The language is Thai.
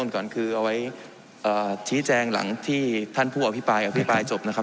ก่อนคือเอาไว้ชี้แจงหลังที่ท่านผู้อภิปรายอภิปรายจบนะครับ